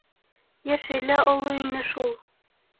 Йәше лә оло ине шул...